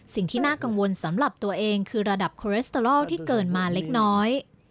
สิ่งที่น่ากังวลสำหรับตัวเองคือระดับโคเรสเตอรอลที่เกินมาเล็กน้อย